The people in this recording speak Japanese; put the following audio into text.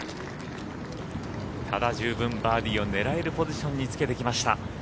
ただ、十分バーディーを狙える位置につけてきました。